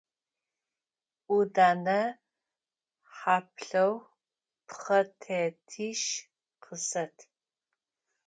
Ӏудэнэ хьаплъэу пхъэтетищ къысэт.